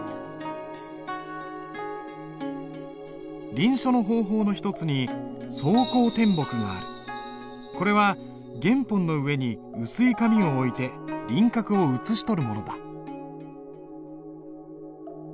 臨書の方法の一つにこれは原本の上に薄い紙を置いて輪郭を写し取るものだ。